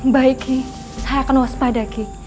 baik saya akan waspada